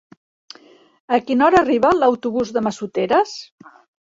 A quina hora arriba l'autobús de Massoteres?